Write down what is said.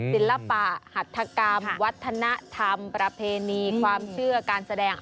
ศิลปะหัฐกรรมวัฒนธรรมประเพณีความเชื่อการแสดง